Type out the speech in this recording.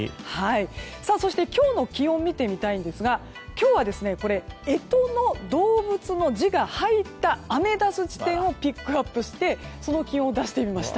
そして今日の気温を見てみたいんですが今日は、干支の動物の字が入ったアメダス地点をピックアップしてその気温を出してみました。